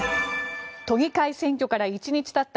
都議会選挙から１日たった